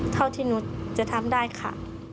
เท่าที่หนูจะทำได้ค่ะ